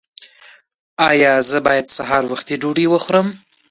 ایا زه باید سهار وختي ډوډۍ وخورم؟